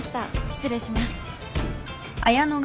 失礼します。